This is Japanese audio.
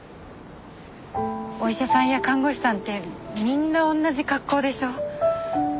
お医者さんや看護師さんってみんな同じ格好でしょ。